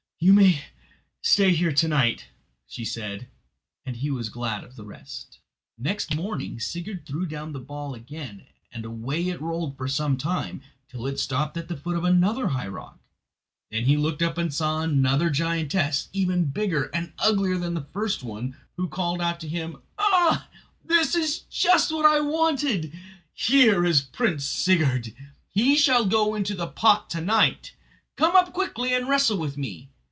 "You may stay here to night," said she; and he was glad of the rest. Next morning Sigurd threw down the ball again and away it rolled for some time, till it stopped at the foot of another high rock. Then he looked up and saw another giantess, even bigger and uglier than the first one, who called out to him: "Ah, this is just what I wanted! Here is Prince Sigurd. He shall go into the pot to night. Come up quickly and wrestle with me."